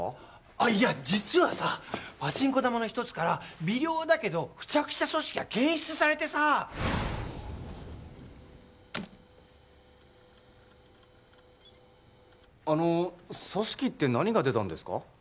あっいや実はさパチンコ玉の一つから微量だけど付着した組織が検出されてさあの組織って何が出たんですか？